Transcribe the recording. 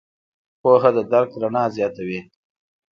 پوهه د درک رڼا زیاتوي.